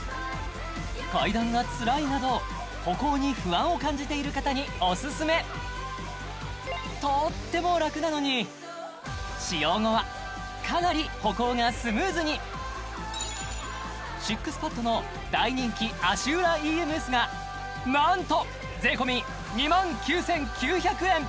階段がつらいなど歩行に不安を感じている方にオススメとってもラクなのに使用後はかなり歩行がスムーズにＳＩＸＰＡＤの大人気足裏ＥＭＳが何と税込２９９００円